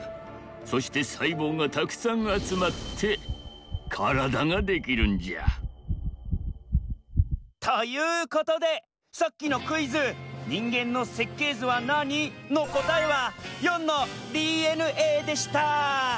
そしてさいぼうがたくさんあつまってカラダができるんじゃ。ということでさっきのクイズ「人間の設計図はなに？」のこたえは④のＤＮＡでした。